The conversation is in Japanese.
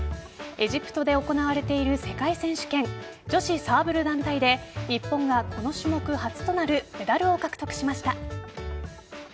エジプトで行われている世界選手権女子サーブル団体で日本がこの種目初となるメダルを獲得しました。